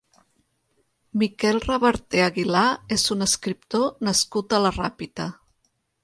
Miquel Reverté Aguilar és un escriptor nascut a la Ràpita.